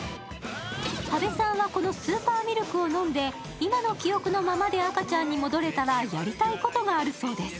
多部さんはこのスーパーミルクを飲んで、今のままの記憶で赤ちゃんに戻れたらやりたいことがあるそうです。